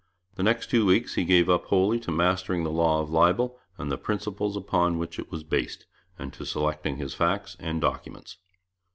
The next two weeks he gave up wholly to mastering the law of libel and the principles upon which it was based, and to selecting his facts and documents.